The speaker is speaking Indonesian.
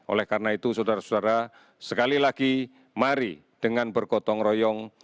oleh karena itu saudara saudara sekali lagi mari dengan bergotong royong